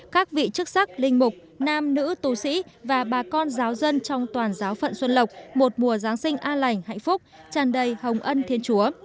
các vị chức sắc linh mục nam nữ tù sĩ và bà con giáo dân trong toàn giáo phận xuân lộc một mùa giáng sinh an lành hạnh phúc tràn đầy hồng ân thiên chúa